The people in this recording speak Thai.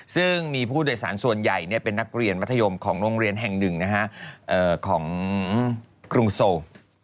ซึ่งมีผู้โดยสารส่วนใหญ่เป็นนักเรียนมัธยมของโรงเรียนแห่งหนึ่งของกรุงโซล